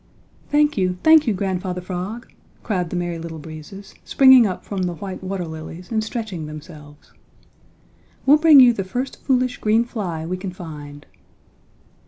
"Thank you, thank you, Grandfather Frog!" cried the Merry Little Breezes, springing up from the white water lilies and stretching themselves. "We'll bring you the first foolish green fly we can find."